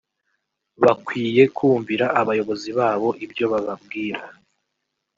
Bakwiye kumvira abayobozi babo ibyo bababwira…”